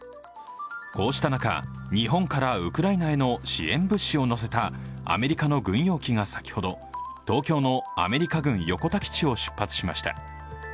こうした中、日本からウクライナへの支援物資を載せたアメリカの軍用機が先ほど東京のアメリカ軍横田基地を出発しました。